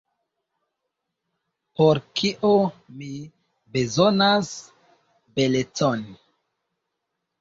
Por kio mi bezonas belecon?